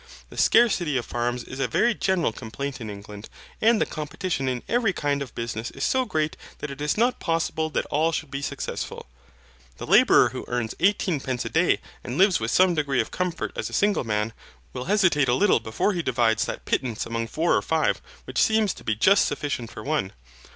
The scarcity of farms is a very general complaint in England. And the competition in every kind of business is so great that it is not possible that all should be successful. The labourer who earns eighteen pence a day and lives with some degree of comfort as a single man, will hesitate a little before he divides that pittance among four or five, which seems to be but just sufficient for one.